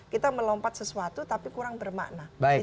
kita melompat sesuatu tapi kurang bermakna